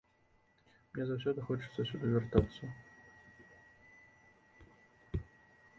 І мне заўсёды хочацца сюды вяртацца.